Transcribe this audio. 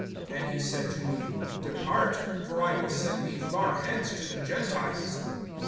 (21)And he said to me: Depart; for I will send thee far hence to the Gentiles.